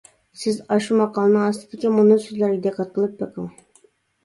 سىز ئاشۇ ماقالىنىڭ ئاستىدىكى مۇنۇ سۆزلەرگە دىققەت قىلىپ بېقىڭ.